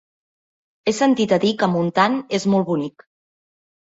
He sentit a dir que Montant és molt bonic.